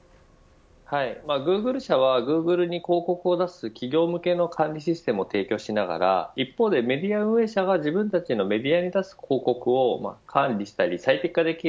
グーグル社はグーグルに広告を出す企業向けの管理システムを提供しながら一方でメディア運営者が自分たちのメディアに出す広告を管理したり最適化できる。